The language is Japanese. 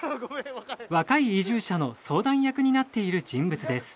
若い移住者の相談役になっている人物です。